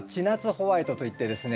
ホワイトといってですね